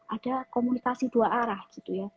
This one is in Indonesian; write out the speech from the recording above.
ada komunikasi dua arah gitu ya